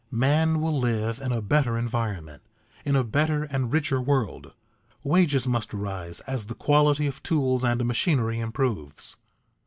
Man will live in a better environment, in a better and richer world. Wages must rise as the quality of tools and machinery improves.